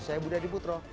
saya budha diputro